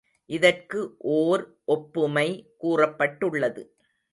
இதற்கு ஓர் ஒப்புமை கூறப்பட்டுள்ளது.